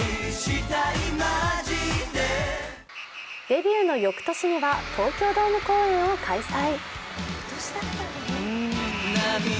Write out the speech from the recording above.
デビューのよくとしには東京ドーム公演を開催。